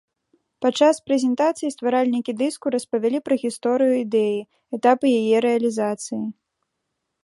Падчас прэзентацыі стваральнікі дыску распавялі пра гісторыю ідэі, этапы яе рэалізацыі.